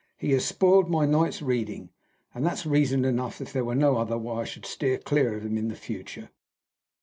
"He has spoiled my night's reading, and that's reason enough, if there were no other, why I should steer clear of him in the future."